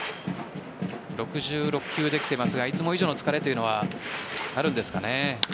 ６６球できていますがいつも以上の疲れというのはあるんですかね。